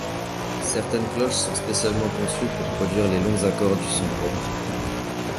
Certaines cloches sont spécialement conçues pour produire les longs accords du son Om̐.